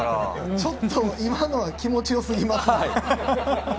ちょっと今のは気持ち良すぎますね。